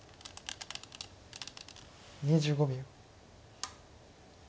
２５秒。